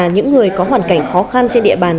những người có hoàn cảnh khó khăn trên địa bàn